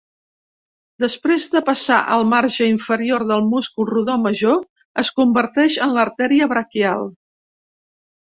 Després de passar el marge inferior del múscul rodó major es converteix en l'artèria braquial.